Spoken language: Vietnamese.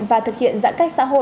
và thực hiện giãn cách xã hội